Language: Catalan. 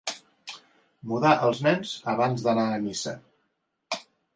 Mudar els nens abans d'anar a missa.